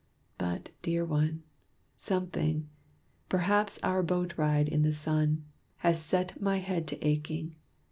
But, dear one, Something perhaps our boat ride in the sun, Has set my head to aching.